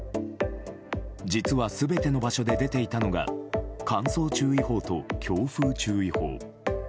実は全ての場所で出ていたのが乾燥注意報と強風注意報。